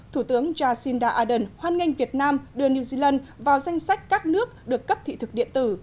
thủ tướng jacinda ardern hoan nghênh việt nam đưa new zealand vào danh sách các nước được cấp thị thực điện tử